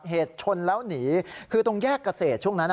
เหตุชนแล้วหนีคือตรงแยกเกษตรช่วงนั้น